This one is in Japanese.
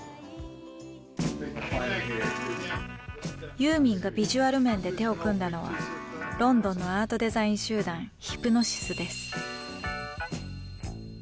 ユーミンがビジュアル面で手を組んだのはロンドンのアートデザイン集団ヒプノシスです。